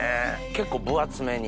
結構分厚めに。